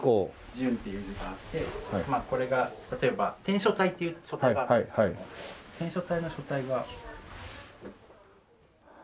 純という字があってこれが例えば篆書体っていう書体があるんですけども篆書体の書体が。